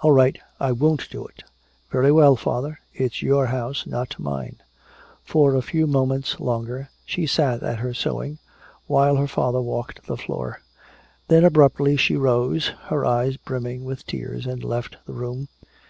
"All right, I won't do it!" "Very well, father it's your house, not mine." For a few moments longer she sat at her sewing, while her father walked the floor. Then abruptly she rose, her eyes brimming with tears, and left the room.